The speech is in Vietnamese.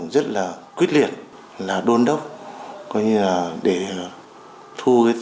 rất là quyết liệt đôn đốc để thu số tiền đơn vị chậm nộp